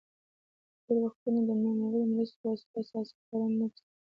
ډیری وختونه د نوموړو مرستو په وسیله اساسي کارونه نه تر سره کیږي.